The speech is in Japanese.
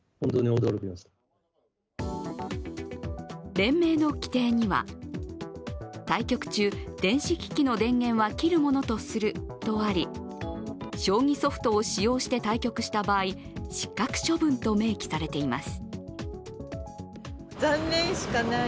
連盟の規定には、対局中、電子機器の電源は切るものとするとあり、将棋ソフトを使用して対局した場合、失格処分と明記されています。